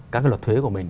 các cái luật thuế của mình